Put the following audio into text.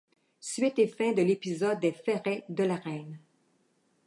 Suite et fin de l'épisode des ferrets de la Reine.